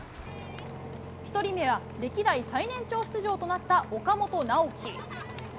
１人目は歴代最年長出場となった岡本直己。